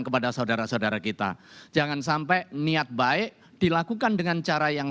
jadi saya saksikan pada peringkat ekonominya ini